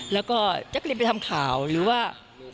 แล้วก็แจ๊กกะลินไปทำข่าวหรือว่า